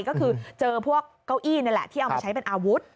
ก็คือเจอพวกเก้าอี้นี่แหละที่เอามาใช้เป็นอาวุธ